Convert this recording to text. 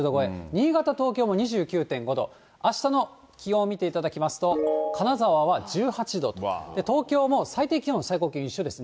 新潟、東京も２９．５度、あしたの気温見ていただきますと、金沢は１８度と、東京も最低気温、最高気温一緒です。